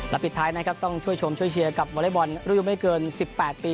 แล้วปิดท้ายนะครับต้องช่วยชมช่วยเชียร์กับวอร์เรย์บอลรุยุไม่เกินสิบแปดปี